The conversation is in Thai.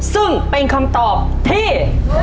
ซึ่งเป็นคำตอบที่